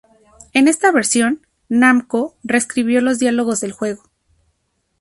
En esta versión "Namco" reescribió los diálogos del juego.